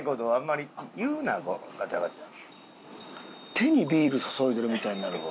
手にビール注いでるみたいになるわ。